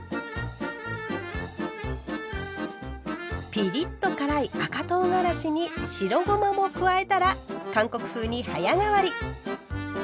ピリッと辛い赤とうがらしに白ごまも加えたら韓国風に早変わり。